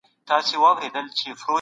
دا هغه موضوع ده چي موږ باندي ږغېږو.